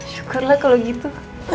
syukurlah kalo gitu